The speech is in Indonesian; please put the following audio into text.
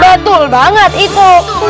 betul banget itu